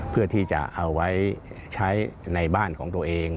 เพื่อที่จะเอาไว้ใช้ในบ้านของตัวเอง